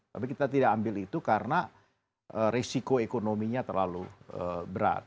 tapi kita tidak ambil itu karena risiko ekonominya terlalu berat